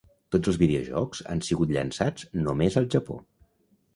Tots els videojocs han sigut llançats només al Japó.